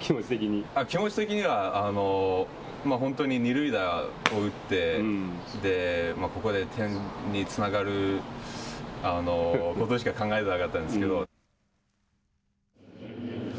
気持ち的には本当に二塁打を打ってここで点につながることしか考えてなかったんですけど。